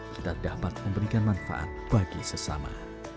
kita dapat memberikan manfaat bagi sesama